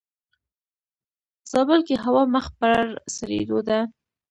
زابل کې هوا مخ پر سړيدو ده.